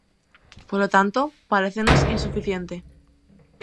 Polo tanto, parécenos insuficiente.